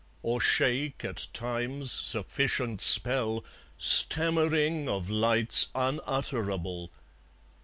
Or shake at Time's sufficient spell, Stammering of lights unutterable?